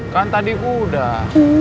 kan tadi udah